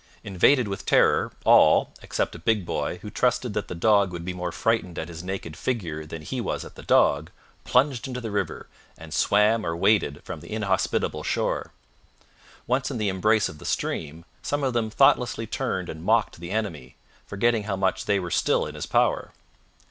Invaded with terror, all, except a big boy who trusted that the dog would be more frightened at his naked figure than he was at the dog, plunged into the river, and swam or waded from the inhospitable shore. Once in the embrace of the stream, some of them thoughtlessly turned and mocked the enemy, forgetting how much they were still in his power.